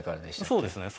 そうですね。